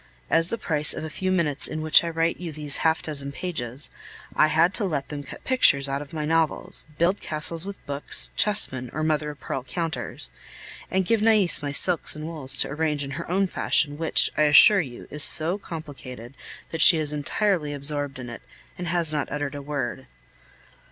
As the price of a few minutes in which I write you these half dozen pages, I have had to let them cut pictures out of my novels, build castles with books, chessmen, or mother of pearl counters, and give Nais my silks and wools to arrange in her own fashion, which, I assure you, is so complicated, that she is entirely absorbed in it, and has not uttered a word.